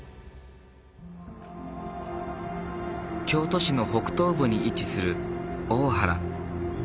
京都市の北東部に位置する大原。